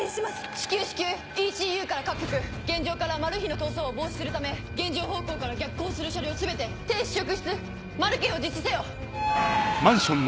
至急至急ＥＣＵから各局現場からマルヒの逃走を防止するため現場方向から逆行する車両全て停止職質マル検を実施せよ！